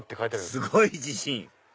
すごい自信！